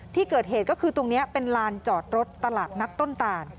ที่เกิดเหตุก็คือตรงนี้เป็นลานจอดรถตลาดนัดต้นตาน